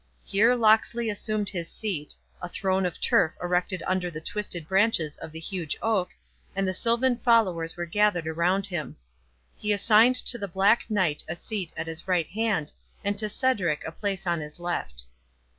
Here Locksley assumed his seat—a throne of turf erected under the twisted branches of the huge oak, and the silvan followers were gathered around him. He assigned to the Black Knight a seat at his right hand, and to Cedric a place upon his left.